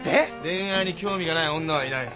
恋愛に興味がない女はいない。